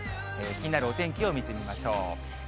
気になるお天気を見てみましょう。